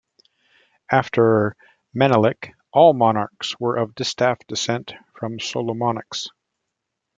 After Menelik, all monarchs were of distaff descent from Solomonics.